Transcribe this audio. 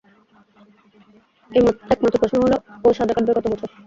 একমাত্র প্রশ্ন হলো, ও সাজা কাটবে কত বছর?